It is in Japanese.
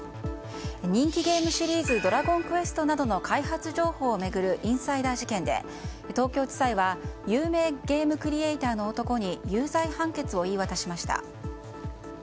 人気ゲームシリーズ「ドラゴンクエスト」などの開発情報を巡るインサイダー事件で東京地裁は有名ゲームクリエーターの男に有罪判決を言い渡しました。